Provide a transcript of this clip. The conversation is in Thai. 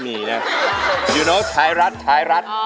เพื่อนรักไดเกิร์ต